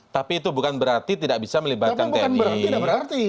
tapi itu bukan berarti tidak bisa melibatkan tni